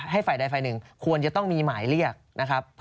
ฝ่ายใดฝ่ายหนึ่งควรจะต้องมีหมายเรียกนะครับ